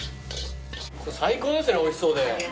最高ですねおいしそうで。